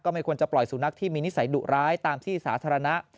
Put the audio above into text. ไม่ควรจะปล่อยสุนัขที่มีนิสัยดุร้ายตามที่สาธารณะ